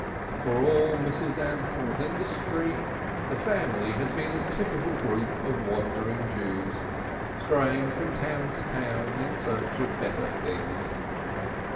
For all Mrs. Ansell's industry, the family had been a typical group of wandering Jews, straying from town to town in search of better things.